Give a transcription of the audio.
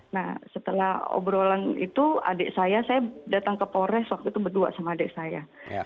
nah setelah obrolan itu adik saya saya datang ke polres waktu itu berdua sama adik saya